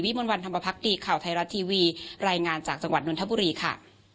มนต์วันธรรมพักดีข่าวไทยรัฐทีวีรายงานจากจังหวัดนนทบุรีค่ะ